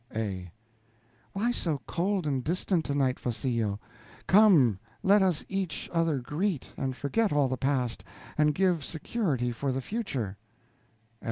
A. Why so cold and distant tonight, Farcillo? Come, let us each other greet, and forget all the past, and give security for the future.